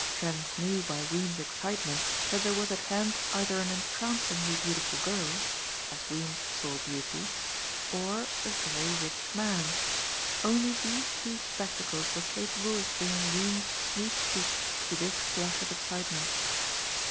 Trent knew by Weems' excitement that there was at hand either an entrancingly beautiful girl as Weems saw beauty or a very rich man. Only these two spectacles were capable of bringing Weems' smooth cheeks to this flush of excitement.